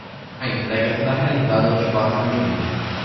A entrega será realizada nos próximos dias